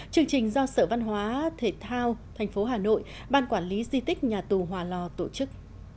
chương trình do sở văn hóa thể thao tp hà nội ban quản lý di tích nhà tù hòa lò tổ chức